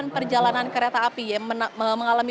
perjalanan kereta api yang mengalami